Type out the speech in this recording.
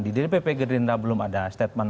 di dpp gerindra belum ada statement